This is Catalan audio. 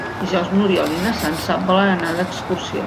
Dijous n'Oriol i na Sança volen anar d'excursió.